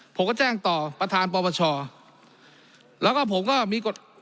ผมก็แจ้งต่อประธานปปชแล้วก็ผมก็มีกฎ